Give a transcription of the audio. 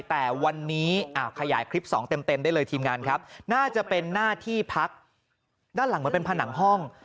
แต่วันนี้ขยายคลิปสองเต็มได้เลยทีมงานครับน่าจะเป็นหน้าที่พักด้านหลังเหมือนเป็นผนังห้อง